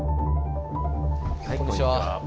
こんにちは。